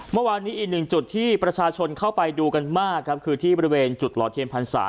เมื่อวานนี้อีกหนึ่งจุดที่ประชาชนเข้าไปดูกันมากครับคือที่บริเวณจุดหล่อเทียนพรรษา